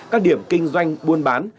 các điểm kinh doanh buôn bán